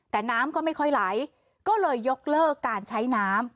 แต่น้ำก็ไม่ค่อยไหลก็เลยยกเลิกการใช้น้ำ